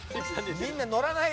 みんな、乗らないで。